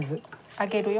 上げるよ。